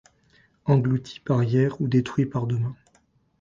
Englouti par hier ou détruit par demain